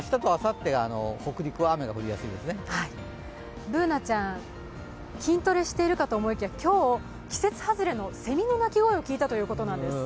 Ｂｏｏｎａちゃん、筋トレしているかと思いきや、今日、季節外れのセミの鳴き声を聞いたそうです。